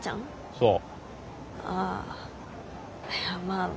そう。